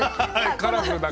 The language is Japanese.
カラフルだから？